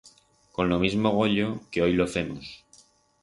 Con lo mismo goyo que hoi lo femos.